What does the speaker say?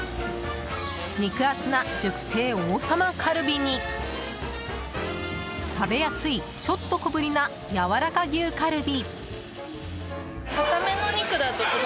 肉厚な熟成王様カルビに食べやすい、ちょっと小ぶりなやわらか牛カルビ。